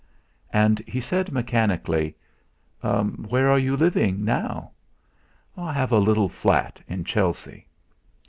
And he said mechanically: "Where are you living now?" "I have a little flat in Chelsea."